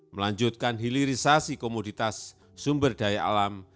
melanjutkan hilirisasi komoditas sumber daya alam